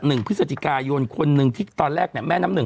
หนึ่งพฤศจิกายนคนนึงที่ตอนแรกน้ำหนึ่ง